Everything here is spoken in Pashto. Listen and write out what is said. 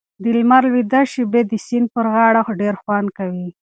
د لمر لوېدو شېبې د سیند پر غاړه ډېر خوند کوي.